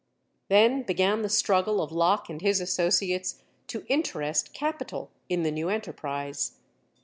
Then began the struggle of Locke and his associates to interest capital in the new enterprise.